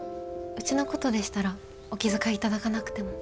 うちのことでしたらお気遣い頂かなくても。